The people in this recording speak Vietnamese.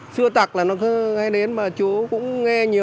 xưa tặc là nó cứ nghe đến mà chú cũng nghe nhiều nơi là